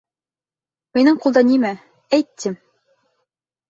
— Минең ҡулда нимә, әйт, тим.